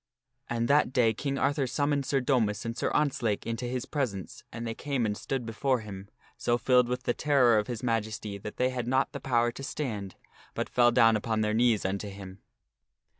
And that day King Arthur summoned Sir Domas and Sir Ontzlake into his presence and they came and stood before him, so filled with the terror of his majesty, that they had not the power to stand, but fell down upon their knees unto him.